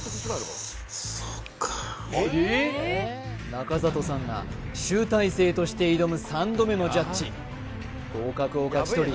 中里さんが集大成として挑む３度目のジャッジ合格を勝ち取り